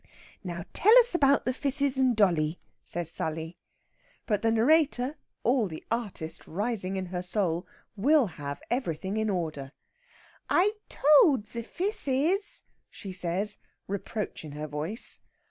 "Now tell us about the fisses and dolly," says Sally. But the narrator, all the artist rising in her soul, will have everything in order. "I told ze fisses," she says, reproach in her voice.